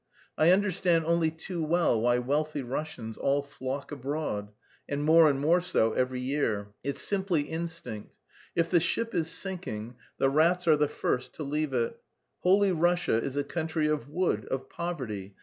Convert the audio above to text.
I understand only too well why wealthy Russians all flock abroad, and more and more so every year. It's simply instinct. If the ship is sinking, the rats are the first to leave it. Holy Russia is a country of wood, of poverty...